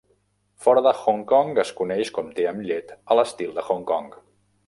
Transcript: Fora de Hong Kong, es coneix com te amb llet a l'estil de Hong Kong.